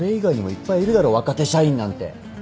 若手社員なんて。